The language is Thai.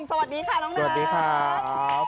สวัสดีค่ะน้องนุ่ม